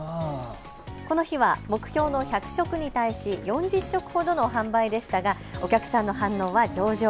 この日は目標の１００食に対し４０食ほどの販売でしたがお客さんの反応は上々。